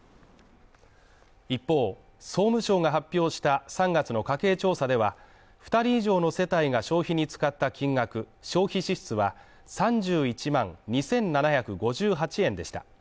一方、総務省が発表した３月の家計調査では、２人以上の世帯が消費に使った金額＝消費支出は３１万２７５８円でした。